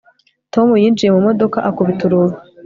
tom yinjiye mu modoka akubita urugi